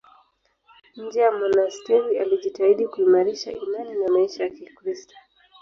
Nje ya monasteri alijitahidi kuimarisha imani na maisha ya Kikristo.